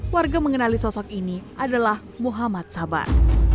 warga mengenali sosok ini adalah muhammad sabar